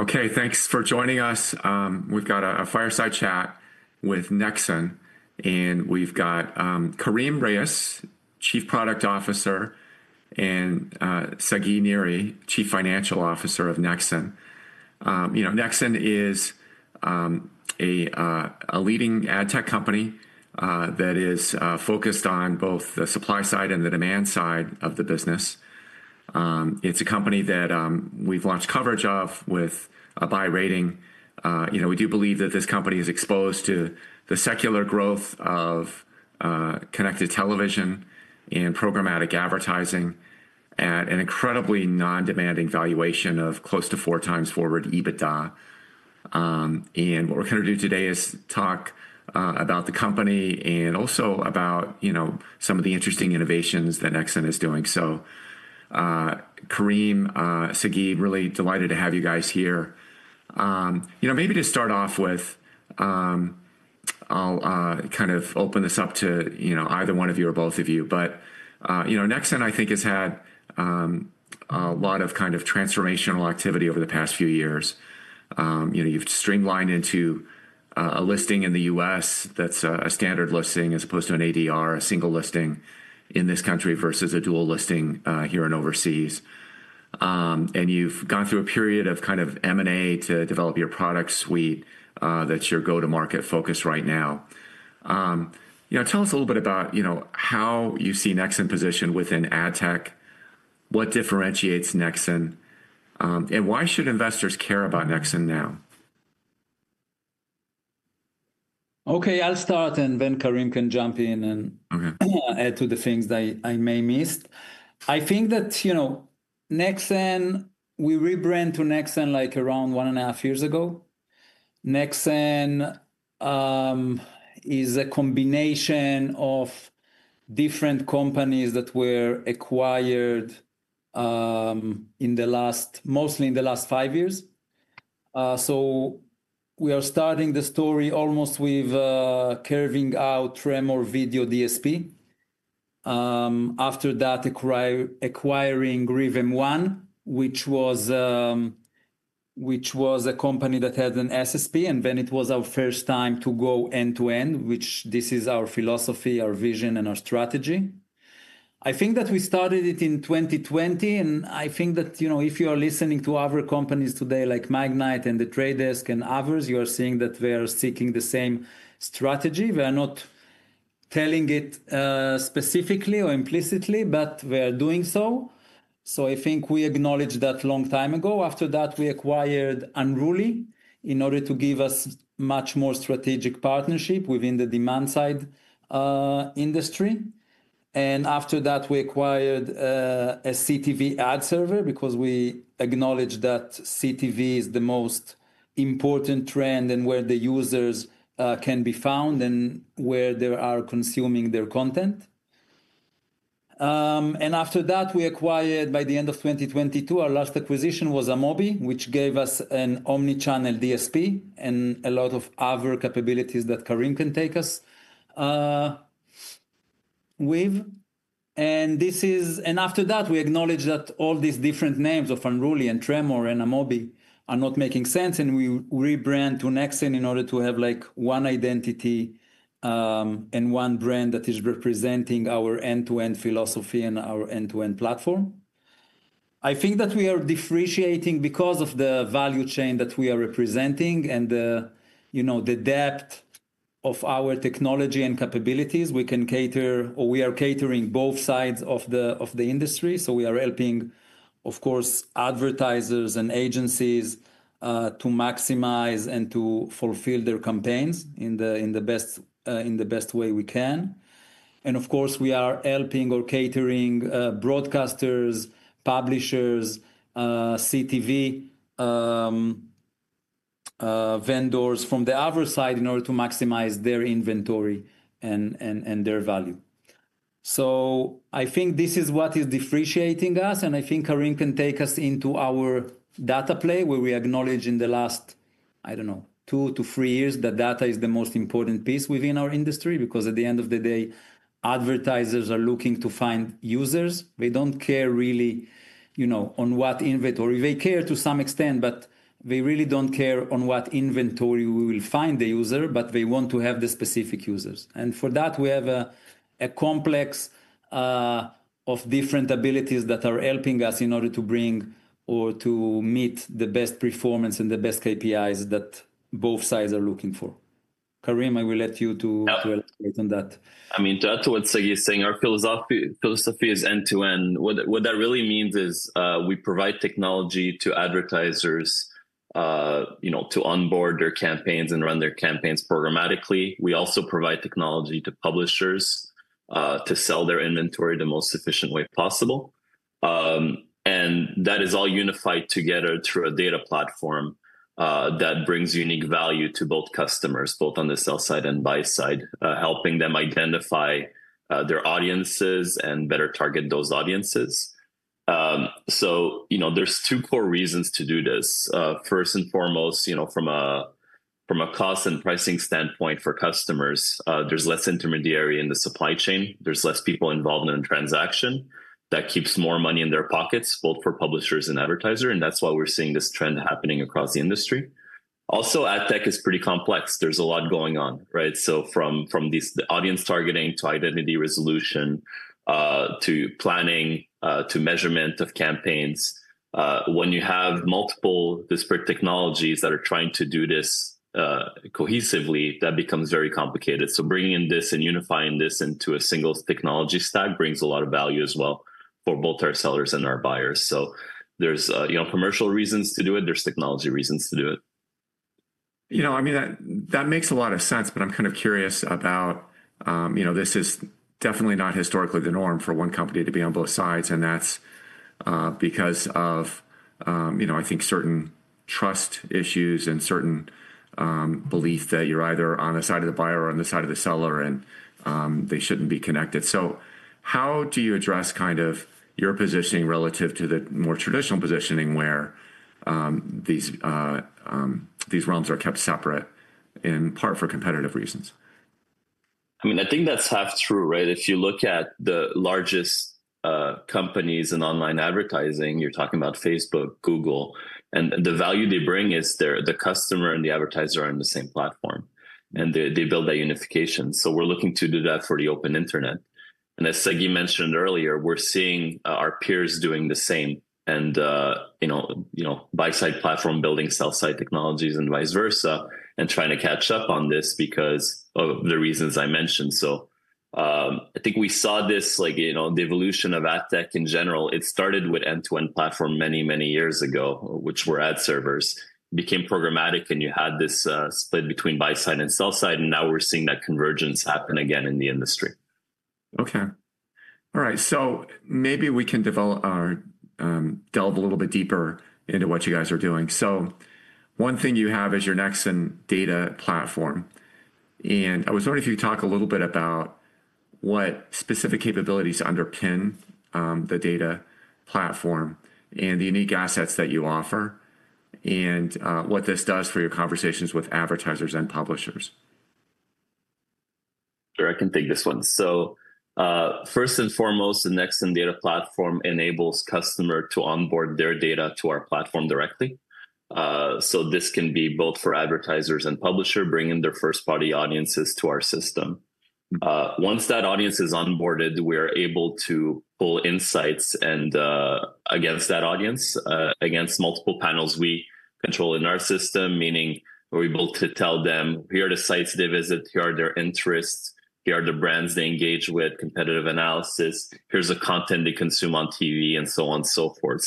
Okay, thanks for joining us. We've got a fireside chat with Nexxen, and we've got Karim Rayes, Chief Product Officer, and Sagi Niri, Chief Financial Officer of Nexxen. You know, Nexxen is a leading ad tech company that is focused on both the supply side and the demand side of the business. It's a company that we've launched coverage of with a buy rating. We do believe that this company is exposed to the secular growth of connected television and programmatic advertising at an incredibly non-demanding valuation of close to four times forward EBITDA. What we're going to do today is talk about the company and also about some of the interesting innovations that Nexxen is doing. Karim, Sagi, really delighted to have you guys here. Maybe to start off with, I'll kind of open this up to either one of you or both of you, but Nexxen, I think, has had a lot of kind of transformational activity over the past few years. You've streamlined into a listing in the U.S., that's a standard listing as opposed to an ADR, a single listing in this country versus a dual listing here and overseas. You've gone through a period of M&A to develop your product suite that's your go-to-market focus right now. Tell us a little bit about how you see Nexxen positioned within ad tech, what differentiates Nexxen, and why should investors care about Nexxen now? Okay, I'll start and then Karim can jump in and add to the things that I may miss. I think that, you know, Nexxen, we rebrand to Nexxen like around one and a half years ago. Nexxen is a combination of different companies that were acquired in the last, mostly in the last five years. We are starting the story almost with carving out Tremor Video DSP. After that, acquiring RhythmOne, which was a company that had an SSP, and then it was our first time to go end-to-end, which this is our philosophy, our vision, and our strategy. I think that we started it in 2020, and I think that, you know, if you are listening to other companies today like Magnite and The Trade Desk and others, you are seeing that they are seeking the same strategy. They are not telling it specifically or implicitly, but they are doing so. I think we acknowledged that a long time ago. After that, we acquired Unruly in order to give us a much more strategic partnership within the demand side industry. After that, we acquired a CTV ad server because we acknowledged that CTV is the most important trend and where the users can be found and where they are consuming their content. After that, by the end of 2022, our last acquisition was Amobee, which gave us an omnichannel DSP and a lot of other capabilities that Karim can take us with. After that, we acknowledged that all these different names of Unruly and Tremor and Amobee are not making sense, and we rebrand to Nexxen in order to have like one identity and one brand that is representing our end-to-end philosophy and our end-to-end platform. I think that we are differentiating because of the value chain that we are representing and the depth of our technology and capabilities. We can cater, or we are catering both sides of the industry. We are helping, of course, advertisers and agencies to maximize and to fulfill their campaigns in the best way we can. Of course, we are helping or catering broadcasters, publishers, CTV vendors from the other side in order to maximize their inventory and their value. I think this is what is differentiating us, and I think Karim can take us into our data play, where we acknowledge in the last, I don't know, two to three years, that data is the most important piece within our industry because at the end of the day, advertisers are looking to find users. They don't care really, you know, on what inventory, they care to some extent, but they really don't care on what inventory we will find the user. They want to have the specific users, and for that, we have a complex of different abilities that are helping us in order to bring or to meet the best performance and the best KPIs that both sides are looking for. Karim, I will let you elaborate on that. I mean, to add to what Sagi is saying, our philosophy is end-to-end. What that really means is we provide technology to advertisers, you know, to onboard their campaigns and run their campaigns programmatically. We also provide technology to publishers to sell their inventory the most efficient way possible. That is all unified together through a data platform that brings unique value to both customers, both on the sell side and buy side, helping them identify their audiences and better target those audiences. There are two core reasons to do this. First and foremost, from a cost and pricing standpoint for customers, there's less intermediary in the supply chain. There's less people involved in the transaction that keeps more money in their pockets, both for publishers and advertisers, and that's why we're seeing this trend happening across the industry. Also, ad tech is pretty complex. There's a lot going on, right? From these audience targeting to identity resolution to planning to measurement of campaigns, when you have multiple disparate technologies that are trying to do this cohesively, that becomes very complicated. Bringing in this and unifying this into a single technology stack brings a lot of value as well for both our sellers and our buyers. There are commercial reasons to do it. There are technology reasons to do it, you know. I mean, that makes a lot of sense, but I'm kind of curious about, you know, this is definitely not historically the norm for one company to be on both sides, and that's because of, you know, I think certain trust issues and certain belief that you're either on the side of the buyer or on the side of the seller, and they shouldn't be connected. How do you address kind of your positioning relative to the more traditional positioning where these realms are kept separate in part for competitive reasons? I mean, I think that's half true, right? If you look at the largest companies in online advertising, you're talking about Facebook, Google, and the value they bring is the customer and the advertiser are on the same platform, and they build that unification. We're looking to do that for the open internet. As Sagi mentioned earlier, we're seeing our peers doing the same, buy-side platform building, sell-side technologies, and vice versa, and trying to catch up on this because of the reasons I mentioned. I think we saw this, the evolution of ad tech in general. It started with end-to-end platform many, many years ago, which were ad servers. It became programmatic, and you had this split between buy-side and sell-side, and now we're seeing that convergence happen again in the industry. All right. Maybe we can delve a little bit deeper into what you guys are doing. One thing you have is your Nexxen data platform. I was wondering if you could talk a little bit about what specific capabilities underpin the data platform and the unique assets that you offer, and what this does for your conversations with advertisers and publishers. Sure, I can take this one. First and foremost, the Nexxen data platform enables customers to onboard their data to our platform directly. This can be both for advertisers and publishers, bringing their first-party audiences to our system. Once that audience is onboarded, we are able to pull insights against that audience against multiple panels we control in our system, meaning we're able to tell them here are the sites they visit, here are their interests, here are the brands they engage with, competitive analysis, here's the content they consume on TV, and so on and so forth.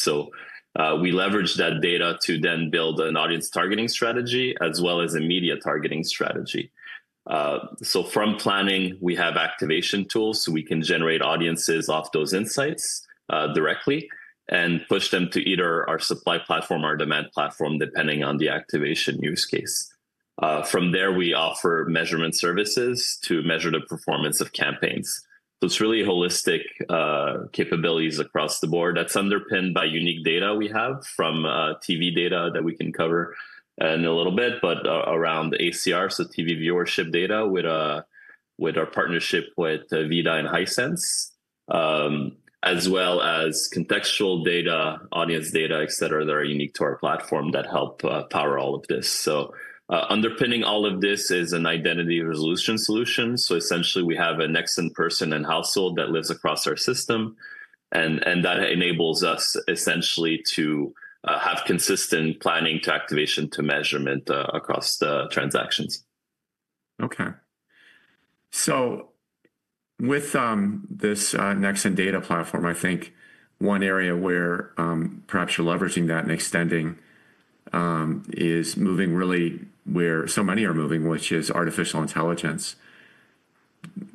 We leverage that data to then build an audience targeting strategy as well as a media targeting strategy. From planning, we have activation tools so we can generate audiences off those insights directly and push them to either our supply platform or demand platform, depending on the activation use case. From there, we offer measurement services to measure the performance of campaigns. It is really holistic capabilities across the board that's underpinned by unique data we have from TV data that we can cover in a little bit, but around ACR, so TV viewership data with our partnership with VIDAA and Hisense, as well as contextual data, audience data, etc, that are unique to our platform that help power all of this. Underpinning all of this is an identity resolution solution. Essentially, we have a Nexxen person and household that lives across our system, and that enables us essentially to have consistent planning to activation, to measurement across the transactions. Okay. With this Nexxen data platform, I think one area where perhaps you're leveraging that and extending is moving really where so many are moving, which is artificial intelligence.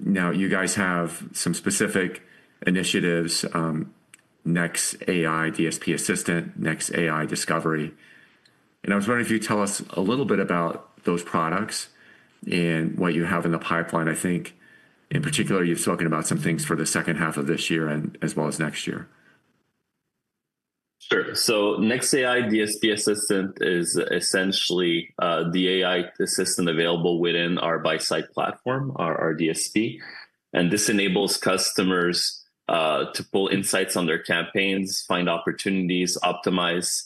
You guys have some specific initiatives, nexAI DSP Assistant, nexAI Discovery. I was wondering if you could tell us a little bit about those products and what you have in the pipeline. I think in particular, you're talking about some things for the second half of this year as well as next year. NexAI DSP Assistant is essentially the AI assistant available within our buy-side platform, our DSP. This enables customers to pull insights on their campaigns, find opportunities, optimize.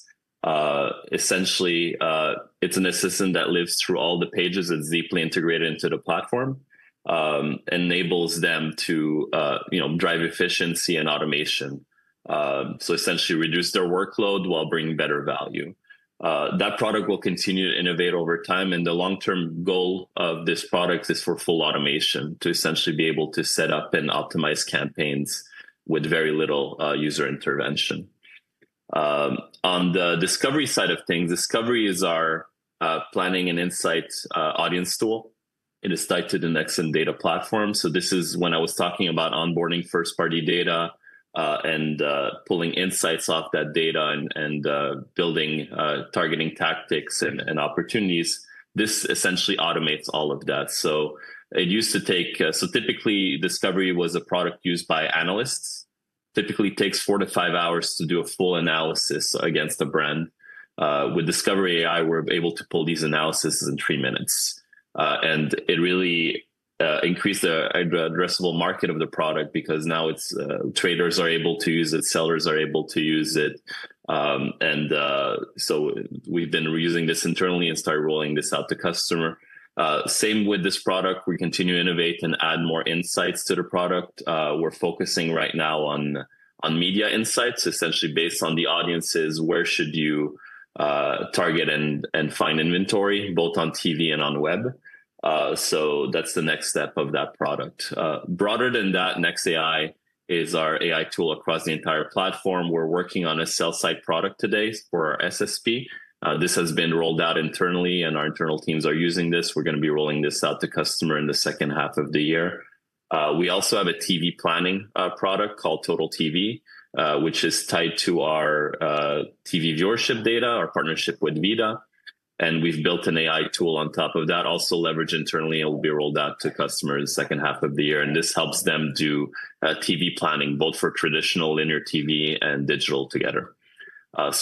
Essentially, it's an assistant that lives through all the pages. It's deeply integrated into the platform and enables them to drive efficiency and automation. Essentially, reduce their workload while bringing better value. That product will continue to innovate over time. The long-term goal of this product is for full automation to essentially be able to set up and optimize campaigns with very little user intervention. On the Discovery side of things, Discovery is our planning and insights audience tool. It is tied to the Nexxen data platform. This is when I was talking about onboarding first-party data and pulling insights off that data and building targeting tactics and opportunities. This essentially automates all of that. Typically, Discovery was a product used by analysts. Typically, it takes four to five hours to do a full analysis against a brand. With Discovery AI, we're able to pull these analyses in three minutes. It really increased the addressable market of the product because now traders are able to use it, sellers are able to use it. We've been reusing this internally and started rolling this out to customers. Same with this product, we continue to innovate and add more insights to the product. We're focusing right now on media insights, essentially based on the audiences, where should you target and find inventory, both on TV and on web. That's the next step of that product. Broader than that, NexAI is our AI tool across the entire platform. We're working on a sell-side product today for our SSP. This has been rolled out internally, and our internal teams are using this. We're going to be rolling this out to customers in the second half of the year. We also have a TV planning product called Total TV, which is tied to our TV viewership data, our partnership with VIDAA. We've built an AI tool on top of that, also leveraged internally, and will be rolled out to customers in the second half of the year. This helps them do TV planning, both for traditional linear TV and digital together.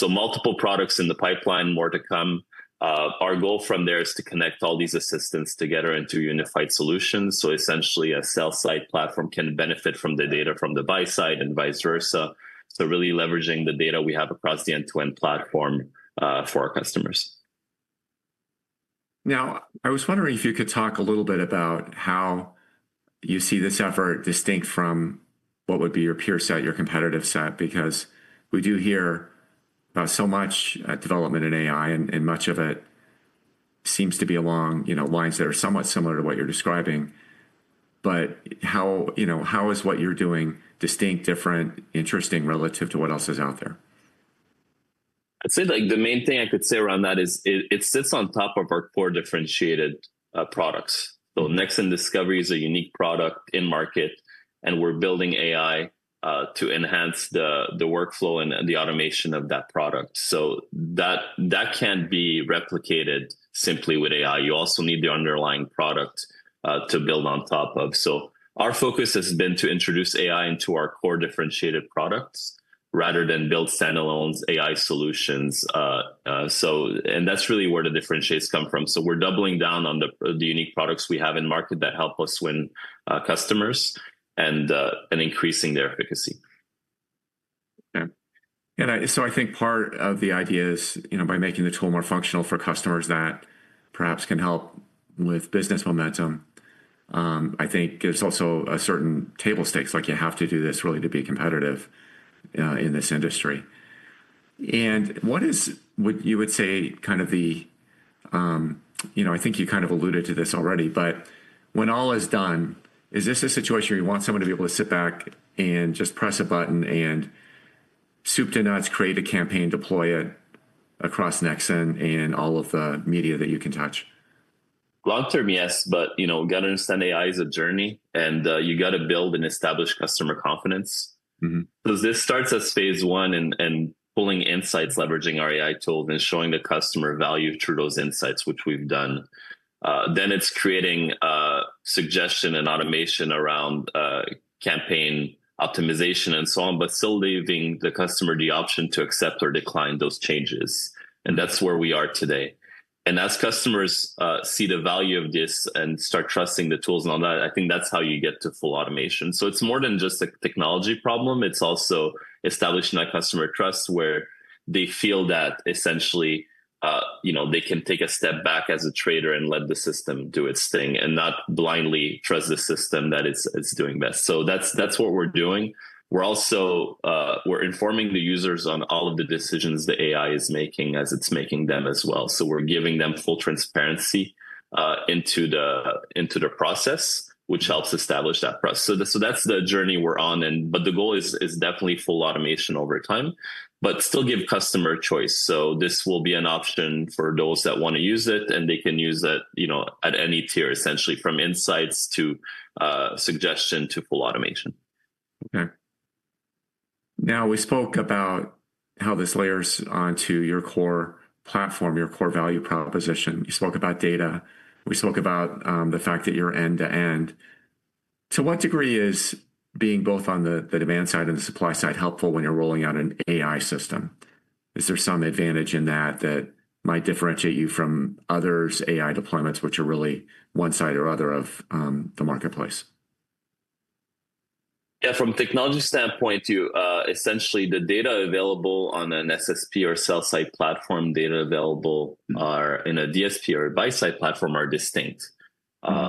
Multiple products in the pipeline more to come. Our goal from there is to connect all these assistants together into unified solutions. Essentially, a sell-side platform can benefit from the data from the buy side and vice versa. Really leveraging the data we have across the end-to-end platform for our customers. I was wondering if you could talk a little bit about how you see this effort distinct from what would be your peer set, your competitive set, because we do hear about so much development in AI, and much of it seems to be along lines that are somewhat similar to what you're describing. How is what you're doing distinct, different, interesting relative to what else is out there? I'd say the main thing I could say around that is it sits on top of our core differentiated products. Nexxen Discovery is a unique product in market, and we're building AI to enhance the workflow and the automation of that product. That can't be replicated simply with AI. You also need the underlying product to build on top of. Our focus has been to introduce AI into our core differentiated products rather than build standalone AI solutions. That's really where the differentiates come from. We're doubling down on the unique products we have in market that help us win customers and increasing their efficacy. I think part of the idea is by making the tool more functional for customers that perhaps can help with business momentum. I think it gives also a certain table stakes. You have to do this really to be competitive in this industry. What is what you would say kind of the, you know, I think you kind of alluded to this already, but when all is done, is this a situation where you want someone to be able to sit back and just press a button and soup to nuts, create a campaign, deploy it across Nexxen and all of the media that you can touch? Long term, yes, but you know, we got to understand AI is a journey, and you got to build and establish customer confidence. This starts as Phase I and pulling insights, leveraging our AI tools, and showing the customer value through those insights, which we've done. Then it's creating suggestion and automation around campaign optimization and so on, but still leaving the customer the option to accept or decline those changes. That's where we are today. As customers see the value of this and start trusting the tools and all that, I think that's how you get to full automation. It's more than just a technology problem. It's also establishing that customer trust where they feel that essentially, you know, they can take a step back as a trader and let the system do its thing and not blindly trust the system that it's doing best. That's what we're doing. We're also informing the users on all of the decisions the AI is making as it's making them as well. We're giving them full transparency into the process, which helps establish that process. That's the journey we're on. The goal is definitely full automation over time, but still give customer choice. This will be an option for those that want to use it, and they can use it at any tier, essentially from insights to suggestion to full automation. Okay. Now we spoke about how this layers onto your core platform, your core value proposition. You spoke about data. We spoke about the fact that you're end-to-end. To what degree is being both on the demand side and the supply side helpful when you're rolling out an AI system? Is there some advantage in that that might differentiate you from others' AI deployments, which are really one side or other of the marketplace? Yeah, from a technology standpoint, you essentially, the data available on an SSP or sell-side platform, data available in a DSP or a buy-side platform are distinct.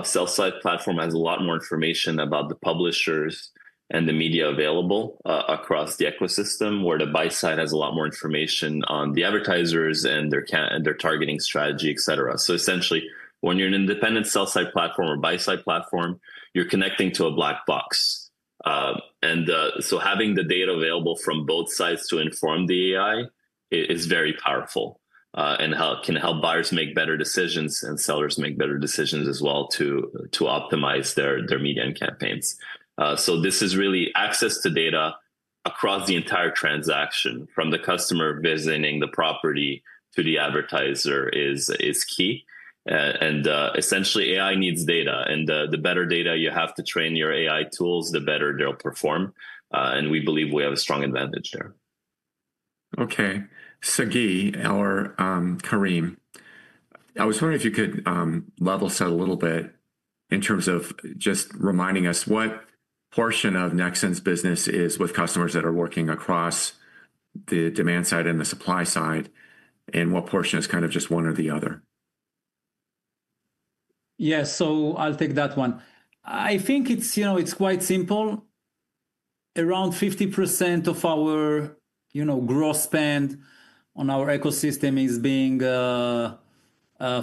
Sell-side platform has a lot more information about the publishers and the media available across the ecosystem, where the buy-side has a lot more information on the advertisers and their targeting strategy, etc. Essentially, when you're an independent sell-side platform or buy-side platform, you're connecting to a black box. Having the data available from both sides to inform the AI is very powerful and can help buyers make better decisions and sellers make better decisions as well to optimize their media and campaigns. This is really access to data across the entire transaction, from the customer visiting the property to the advertiser is key. Essentially, AI needs data, and the better data you have to train your AI tools, the better they'll perform. We believe we have a strong advantage there. Okay. Sagi or Karim, I was wondering if you could level set a little bit in terms of just reminding us what portion of Nexxen business is with customers that are working across the demand side and the supply side, and what portion is kind of just one or the other? Yeah, I'll take that one. I think it's quite simple. Around 50% of our growth spend on our ecosystem is being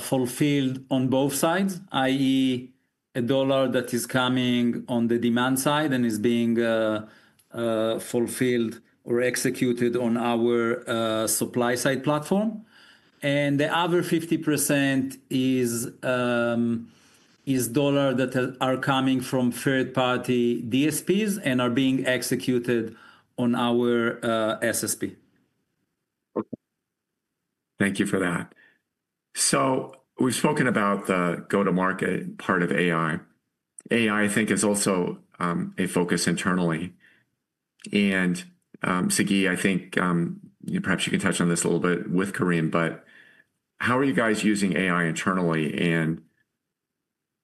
fulfilled on both sides, i.e., a dollar that is coming on the demand side and is being fulfilled or executed on our supply side platform. The other 50% is dollars that are coming from third-party DSPs and are being executed on our SSP. Thank you for that. We've spoken about the go-to-market part of AI. AI, I think, is also a focus internally. Sagi, I think perhaps you could touch on this a little bit with Karim, but how are you guys using AI internally?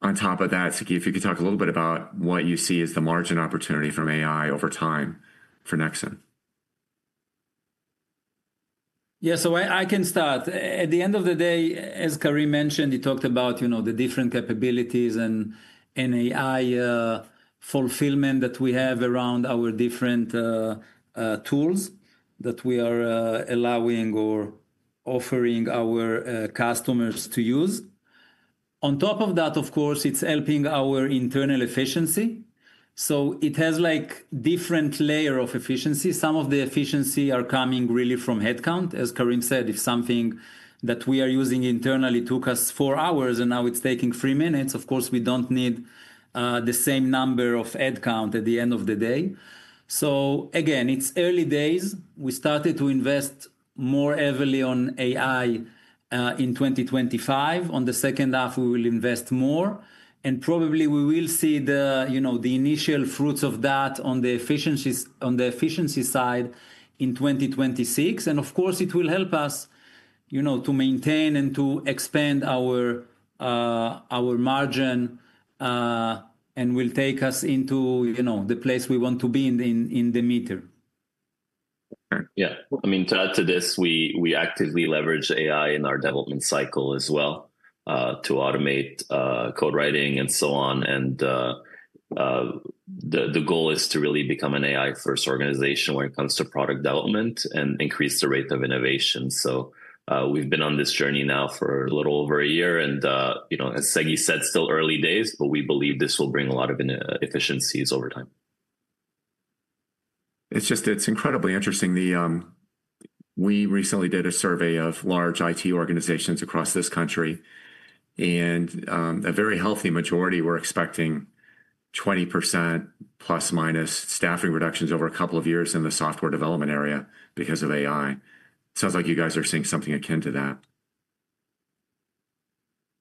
On top of that, Sagi, if you could talk a little bit about what you see as the margin opportunity from AI over time for Nexxen. Yeah, I can start. At the end of the day, as Karim mentioned, he talked about the different capabilities and AI fulfillment that we have around our different tools that we are allowing or offering our customers to use. On top of that, of course, it's helping our internal efficiency. It has different layers of efficiency. Some of the efficiency are coming really from headcount. As Karim said, if something that we are using internally took us four hours and now it's taking three minutes, of course, we don't need the same number of headcount at the end of the day. It's early days. We started to invest more heavily on AI in 2025. In the second half, we will invest more, and probably we will see the initial fruits of that on the efficiency side in 2026. It will help us to maintain and to expand our margin and will take us into the place we want to be in the meter. Yeah, I mean, to add to this, we actively leverage AI in our development cycle as well to automate code writing and so on. The goal is to really become an AI-first organization when it comes to product development and increase the rate of innovation. We've been on this journey now for a little over a year. As Sagi said, still early days, but we believe this will bring a lot of efficiencies over time. It's just, it's incredibly interesting. We recently did a survey of large IT organizations across this country, and a very healthy majority were expecting ±20% staffing reductions over a couple of years in the software development area because of AI. It sounds like you guys are seeing something akin to that.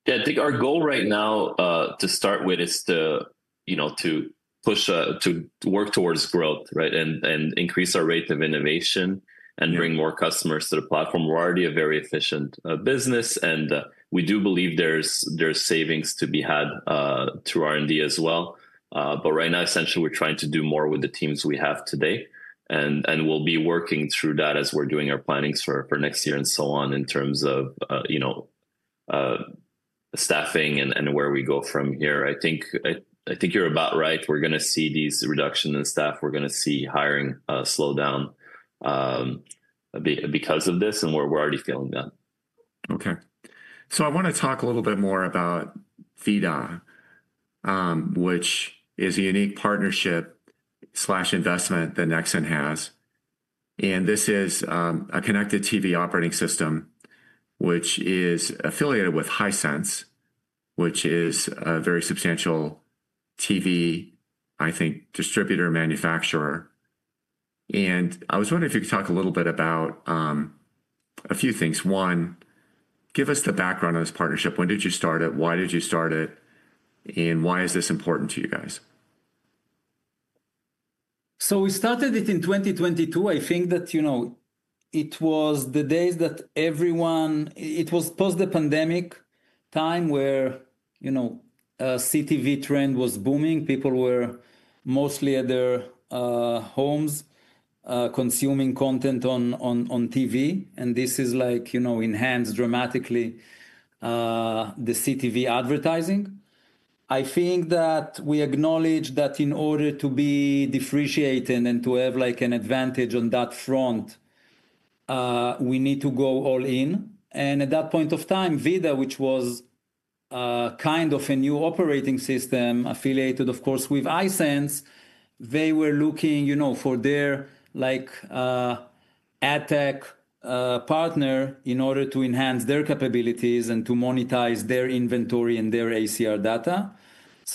Yeah, I think our goal right now to start with is to work towards growth, right, and increase our rate of innovation and bring more customers to the platform. We're already a very efficient business, and we do believe there's savings to be had through R&D as well. Right now, essentially, we're trying to do more with the teams we have today. We'll be working through that as we're doing our planning for next year and so on in terms of staffing and where we go from here. I think you're about right. We're going to see these reductions in staff. We're going to see hiring slow down because of this, and we're already feeling that. Okay. I want to talk a little bit more about VIDAA, which is a unique partnership/investment that Nexxen has. This is a connected TV operating system, which is affiliated with Hisense, which is a very substantial TV distributor and manufacturer. I was wondering if you could talk a little bit about a few things. One, give us the background on this partnership. When did you start it? Why did you start it? Why is this important to you guys? We started it in 2022. I think that, you know, it was the days that everyone, it was post-pandemic time where, you know, a CTV trend was booming. People were mostly at their homes consuming content on TV. This, like, you know, enhanced dramatically the CTV advertising. I think that we acknowledge that in order to be differentiated and to have like an advantage on that front, we need to go all in. At that point of time, VIDAA, which was kind of a new operating system affiliated, of course, with Hisense, they were looking, you know, for their like ad tech partner in order to enhance their capabilities and to monetize their inventory and their ACR data.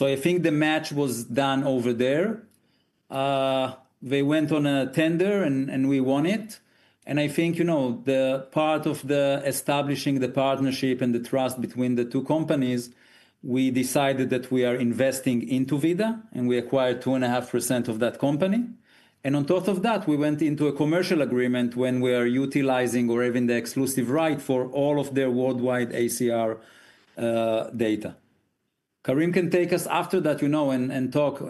I think the match was done over there. They went on a tender and we won it. I think, you know, the part of establishing the partnership and the trust between the two companies, we decided that we are investing into VIDAA and we acquired 2.5% of that company. On top of that, we went into a commercial agreement when we are utilizing or having the exclusive right for all of their worldwide ACR data. Karim can take us after that, you know, and talk.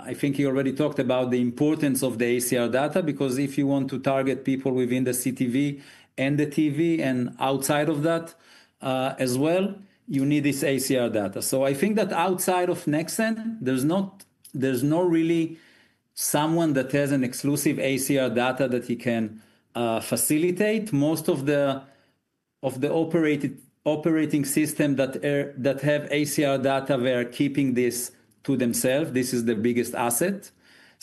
I think he already talked about the importance of the ACR data because if you want to target people within the CTV and the TV and outside of that as well, you need this ACR data. I think that outside of Nexxen, there's not, there's no really someone that has an exclusive ACR data that he can facilitate. Most of the operating systems that have ACR data, they are keeping this to themselves. This is the biggest asset.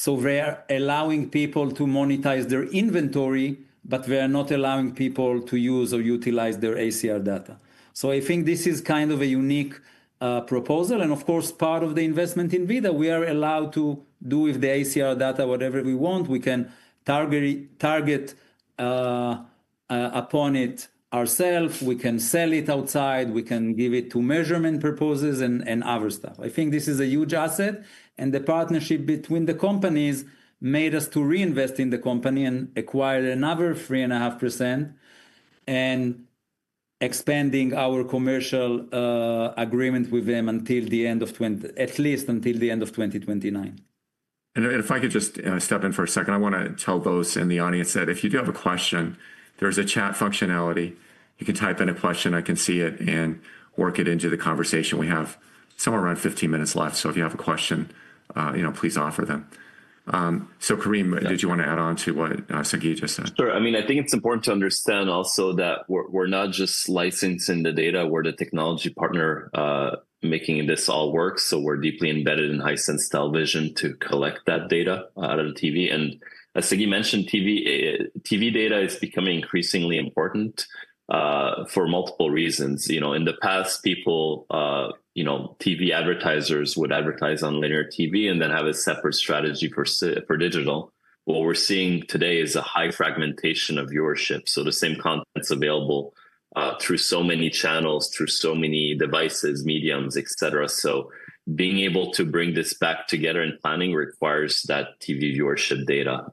They are allowing people to monetize their inventory, but they are not allowing people to use or utilize their ACR data. I think this is kind of a unique proposal. Of course, part of the investment in VIDAA, we are allowed to do with the ACR data whatever we want. We can target upon it ourselves. We can sell it outside. We can give it to measurement proposals and other stuff. I think this is a huge asset. The partnership between the companies made us to reinvest in the company and acquire another 3.5% and expand our commercial agreement with them at least until the end of 2029. If I could just step in for a second, I want to tell those in the audience that if you do have a question, there's a chat functionality. You can type in a question. I can see it and work it into the conversation. We have somewhere around 15 minutes left. If you have a question, please offer them. Karim, did you want to add on to what Sagi just said? Sure. I mean, I think it's important to understand also that we're not just licensing the data. We're the technology partner making this all work. We're deeply embedded in Hisense Television to collect that data out of the TV. As Sagi mentioned, TV data is becoming increasingly important for multiple reasons. In the past, TV advertisers would advertise on linear TV and then have a separate strategy for digital. What we're seeing today is a high fragmentation of viewership. The same content's available through so many channels, through so many devices, mediums, etc. Being able to bring this back together in planning requires that TV viewership data.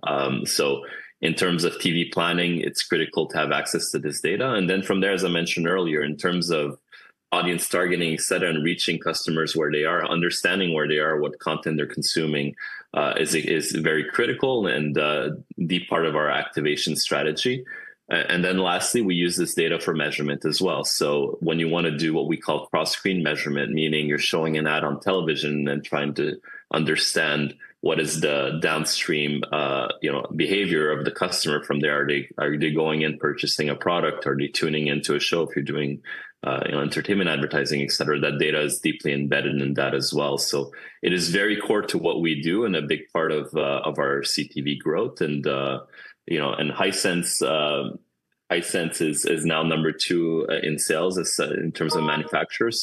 In terms of TV planning, it's critical to have access to this data. From there, as I mentioned earlier, in terms of audience targeting, etc., and reaching customers where they are, understanding where they are, what content they're consuming is very critical and a deep part of our activation strategy. Lastly, we use this data for measurement as well. When you want to do what we call cross-stream measurement, meaning you're showing an ad on television and trying to understand what is the downstream behavior of the customer from there. Are they going in purchasing a product? Are they tuning into a show? If you're doing entertainment advertising, etc., that data is deeply embedded in that as well. It is very core to what we do and a big part of our CTV growth. Hisense is now number two in sales in terms of manufacturers.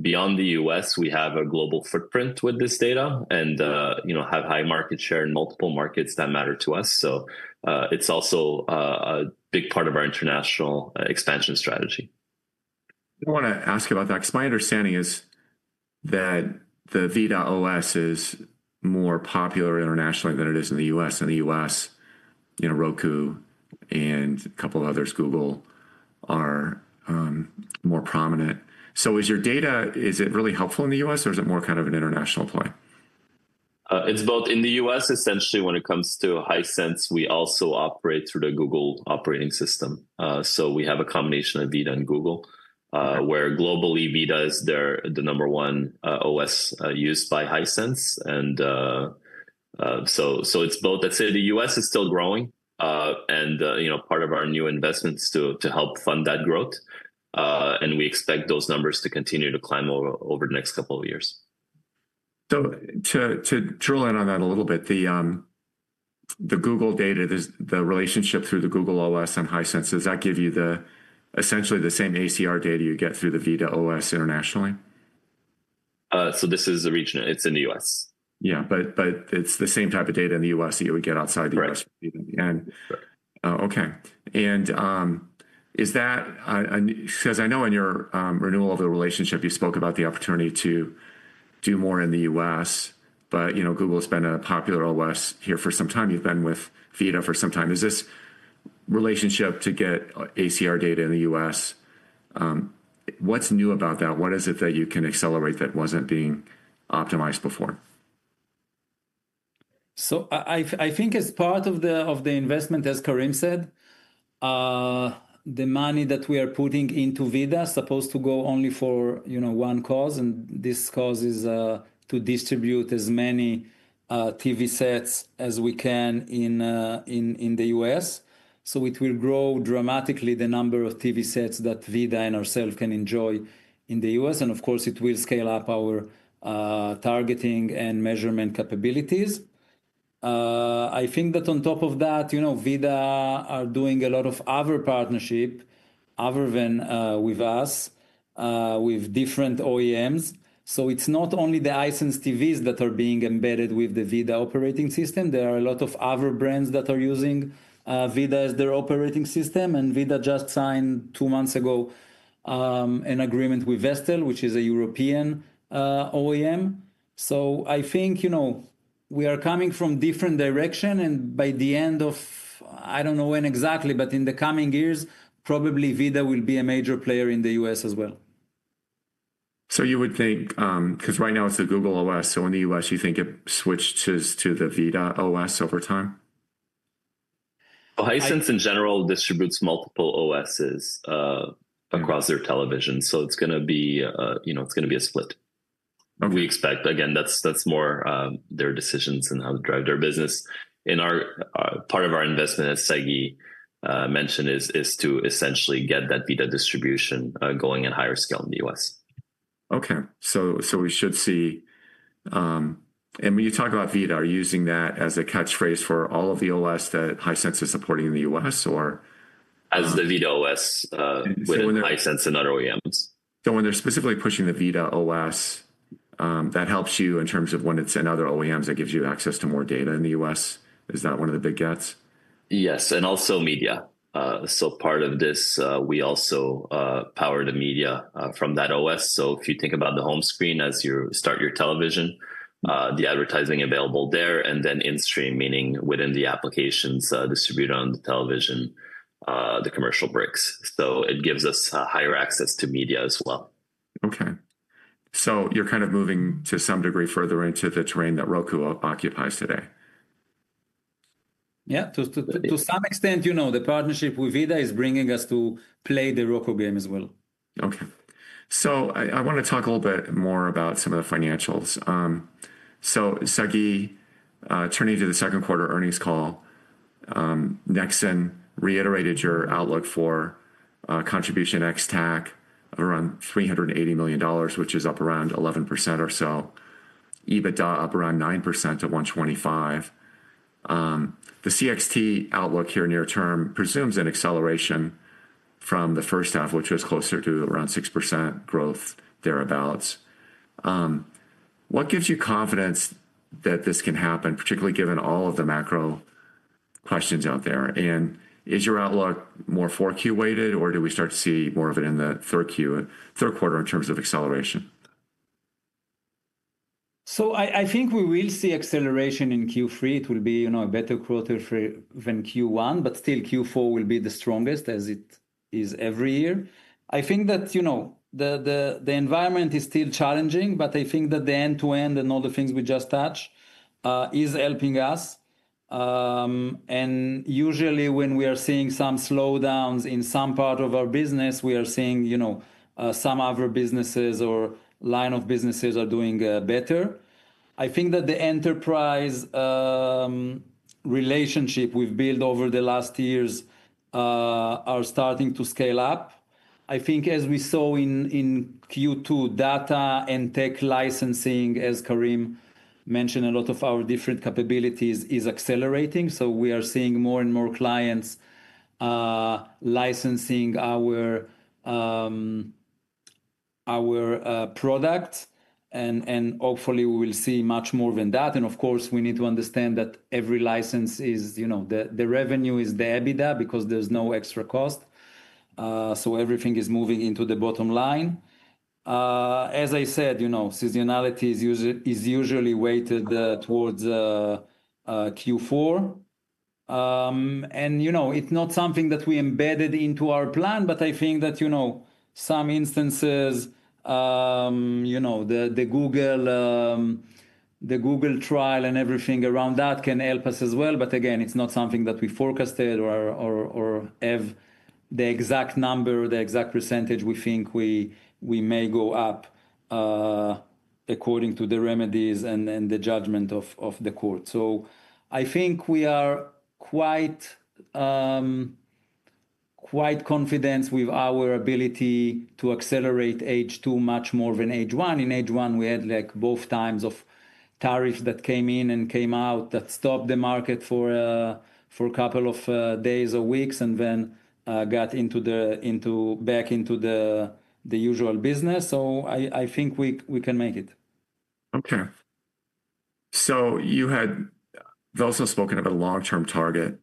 Beyond the U.S., we have a global footprint with this data and have high market share in multiple markets that matter to us. It's also a big part of our international expansion strategy. I want to ask you about that because my understanding is that the VIDAA OS is more popular internationally than it is in the U.S. In the U.S., you know, Roku and a couple of others, Google are more prominent. Is your data, is it really helpful in the U.S. or is it more kind of an international play? It's both. In the U.S., essentially, when it comes to Hisense, we also operate through the Google operating system. We have a combination of VIDAA and Google, where globally, VIDAA is the number one OS used by Hisense. It's both. I'd say the U.S., is still growing and part of our new investments to help fund that growth. We expect those numbers to continue to climb over the next couple of years. To drill in on that a little bit, the Google data, the relationship through the Google OS and Hisense, does that give you essentially the same ACR data you get through the VIDAA OS internationally? This is the region. It's in the U.S. Yeah, it's the same type of data in the U.S., that you would get outside the U.S. Correct. Okay. Is that because I know in your renewal of the relationship, you spoke about the opportunity to do more in the U.S., but you know, Google has been a popular OS here for some time. You've been with VIDAA for some time. Is this relationship to get ACR data in the U.S.? What's new about that? What is it that you can accelerate that wasn't being optimized before? I think as part of the investment, as Karim said, the money that we are putting into VIDAA is supposed to go only for one cause, and this cause is to distribute as many TV sets as we can in the U.S. It will grow dramatically the number of TV sets that VIDAA and ourselves can enjoy in the U.S., and it will scale up our targeting and measurement capabilities. I think that on top of that, you know, VIDAA is doing a lot of other partnerships other than with us, with different OEMs. It is not only the Hisense TVs that are being embedded with the VIDAA operating system. There are a lot of other brands that are using VIDAA as their operating system. VIDAA just signed two months ago an agreement with Vestel, which is a European OEM. I think we are coming from different directions, and by the end of, I do not know when exactly, but in the coming years, probably VIDAA will be a major player in the U.S., as well. You would think, because right now it's a Google OS, in the U.S., you think it switches to the VIDAA OS over time? Hisense in general distributes multiple OSs and browser televisions. It's going to be, you know, it's going to be a split. We expect, again, that's more their decisions and how to drive their business. Part of our investment, as Sagi mentioned, is to essentially get that VIDAA distribution going at a higher scale in the U.S. Okay. We should see, and when you talk about VIDAA, are you using that as a catchphrase for all of the OS that Hisense is supporting in the U.S. or? As the VIDAA OS with Hisense and other OEMs. When they're specifically pushing the VIDAA OS, that helps you in terms of when it's in other OEMs, it gives you access to more data in the U.S. Is that one of the big gets? Yes, and also media. Part of this, we also power the media from that OS. If you think about the home screen, as you start your television, the advertising available there, and then in-stream, meaning within the applications distributed on the television, the commercial breaks. It gives us higher access to media as well. Okay, you're kind of moving to some degree further into the terrain that Roku occupies today. Yeah, to some extent, you know, the partnership with VIDAA is bringing us to play the Roku game as well. Okay. I want to talk a little bit more about some of the financials. Sagi, turning to the second quarter earnings call, Nexxen reiterated your outlook for contribution ex-TAC of around $380 million, which is up around 11% or so. EBITDA up around 9% to $125 million. The CXT outlook here near-term presumes an acceleration from the first half, which was closer to around 6% growth thereabouts. What gives you confidence that this can happen, particularly given all of the macro questions out there? Is your outlook more 4Q weighted, or do we start to see more of it in the third quarter in terms of acceleration? I think we will see acceleration in Q3. It will be a better quarter than Q1, but still Q4 will be the strongest, as it is every year. I think that the environment is still challenging, but I think that the end-to-end and all the things we just touched are helping us. Usually, when we are seeing some slowdowns in some part of our business, we are seeing some other businesses or line of businesses are doing better. I think that the enterprise relationship we've built over the last years is starting to scale up. As we saw in Q2, data and tech licensing, as Karim mentioned, a lot of our different capabilities are accelerating. We are seeing more and more clients licensing our products, and hopefully, we will see much more than that. Of course, we need to understand that every license is, you know, the revenue is debited because there's no extra cost. Everything is moving into the bottom line. As I said, seasonality is usually weighted towards Q4. It's not something that we embedded into our plan, but I think that in some instances, the Google trial and everything around that can help us as well. Again, it's not something that we forecasted or have the exact number or the exact percentage we think we may go up according to the remedies and the judgment of the court. I think we are quite confident with our ability to accelerate H2 much more than H1. In H1, we had both times of tariffs that came in and came out that stopped the market for a couple of days or weeks and then got back into the usual business. I think we can make it. Okay. You had also spoken about a long-term target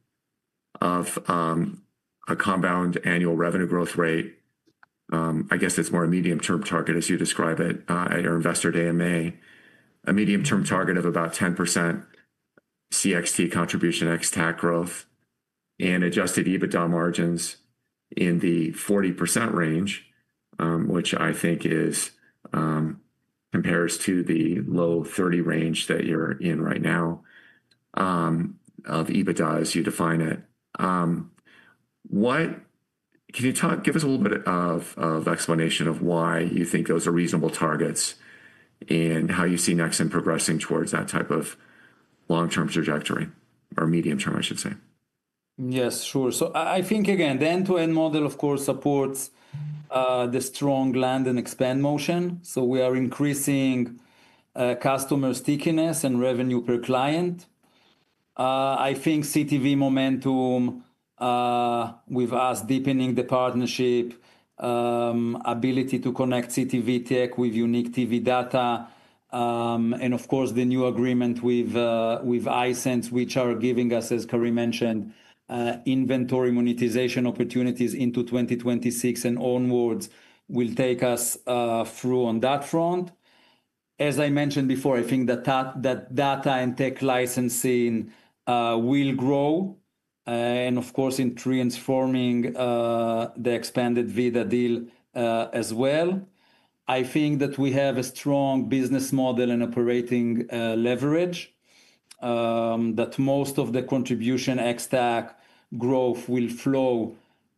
of a compound annual revenue growth rate. I guess it's more a medium-term target, as you describe it at your investor day in May, a medium-term target of about 10% contribution ex-TAC growth and adjusted EBITDA margins in the 40% range, which I think compares to the low 30% range that you're in right now of EBITDA, as you define it. Can you give us a little bit of explanation of why you think those are reasonable targets and how you see Nexxen progressing towards that type of long-term trajectory or medium-term, I should say? Yes, sure. I think, again, the end-to-end model, of course, supports the strong land and expand motion. We are increasing customer stickiness and revenue per client. I think CTV momentum with us deepening the partnership, ability to connect CTV tech with unique TV data, and, of course, the new agreement with Hisense, which are giving us, as Karim mentioned, inventory monetization opportunities into 2026 and onwards, will take us through on that front. As I mentioned before, I think that data and tech licensing will grow and, of course, in transforming the expanded VIDAA deal as well. I think that we have a strong business model and operating leverage that most of the contribution ex-TAC growth will flow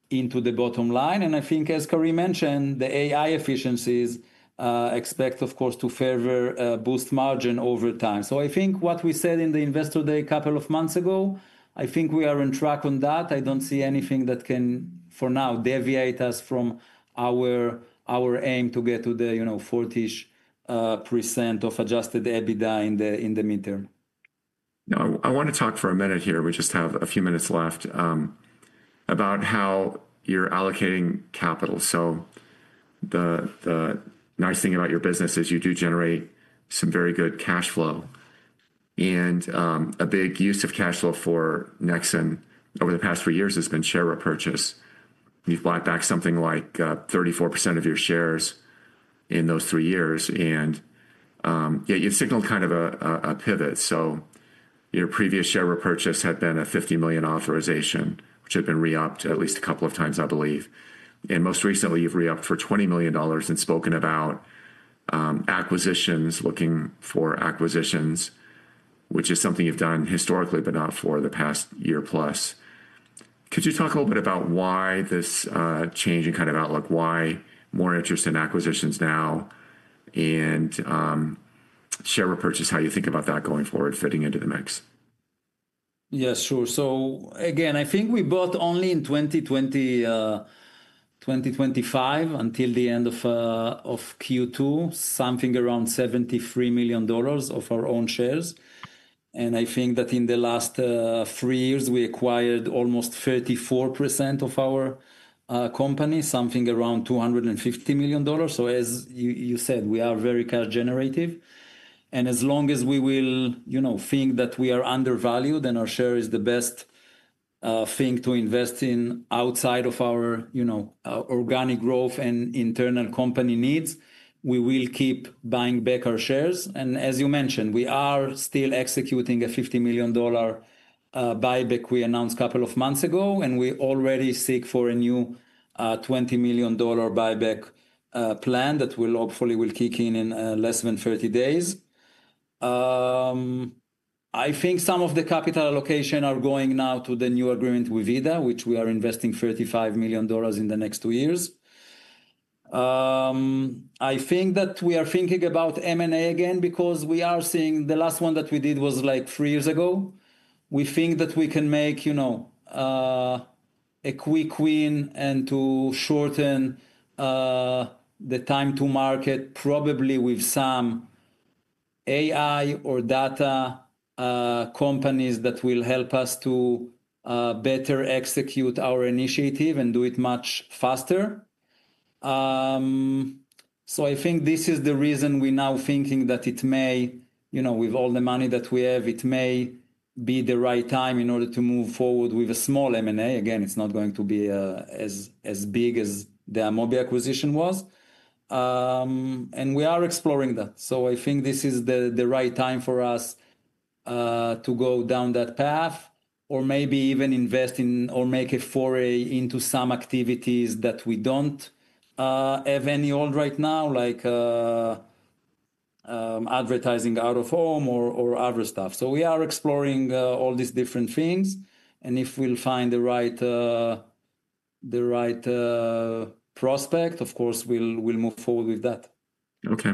into the bottom line. I think, as Karim mentioned, the AI efficiencies expect, of course, to further boost margin over time. I think what we said in the investor day a couple of months ago, we are on track on that. I don't see anything that can, for now, deviate us from our aim to get to the 40% of adjusted EBITDA in the midterm. I want to talk for a minute here. We just have a few minutes left about how you're allocating capital. The nice thing about your business is you do generate some very good cash flow. A big use of cash flow for Nexxen over the past three years has been share repurchase. You've bought back something like 34% of your shares in those three years. You've signaled kind of a pivot. Your previous share repurchase had been a $50 million authorization, which had been re-upped at least a couple of times, I believe. Most recently, you've re-upped for $20 million and spoken about acquisitions, looking for acquisitions, which is something you've done historically, but not for the past year plus. Could you talk a little bit about why this change in kind of outlook, why more interest in acquisitions now and share repurchase, how you think about that going forward, fitting into the mix? Yeah, sure. I think we bought only in 2024 until the end of Q2, something around $73 million of our own shares. I think that in the last three years, we acquired almost 34% of our company, something around $250 million. As you said, we are very cash generative. As long as we think that we are undervalued and our share is the best thing to invest in outside of our organic growth and internal company needs, we will keep buying back our shares. As you mentioned, we are still executing a $50 million buyback we announced a couple of months ago, and we already seek for a new $20 million buyback plan that hopefully will kick in in less than 30 days. I think some of the capital allocation is going now to the new agreement with VIDAA, which we are investing $35 million in the next two years. I think that we are thinking about M&A again because we are seeing the last one that we did was like three years ago. We think that we can make a quick win and shorten the time to market probably with some AI or data companies that will help us to better execute our initiative and do it much faster. I think this is the reason we're now thinking that it may, with all the money that we have, be the right time in order to move forward with a small M&A. It's not going to be as big as the Amobee acquisition was. We are exploring that. I think this is the right time for us to go down that path or maybe even invest in or make a foray into some activities that we don't have any hold right now, like advertising out of home or other stuff. We are exploring all these different things. If we find the right prospect, of course, we'll move forward with that. Okay.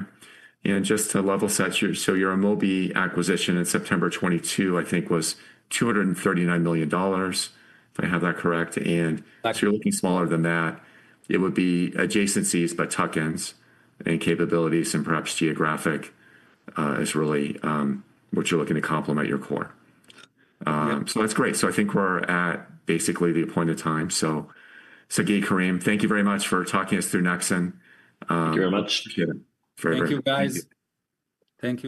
Yeah, and just to level set, your Amobee acquisition in September 2022, I think, was $239 million, if I have that correct. You're looking smaller than that. It would be adjacencies by tokens and capabilities and perhaps geographic is really what you're looking to complement your core. That's great. I think we're at basically the appointed time. Sagi, Karim, thank you very much for talking us through Nexxen. Thank you very much. Thank you, guys. Thank you.